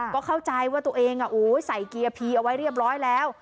ก็เข้าใจว่าตัวเองใส่เกียร์พีเอาไว้เรียบร้อยแล้ว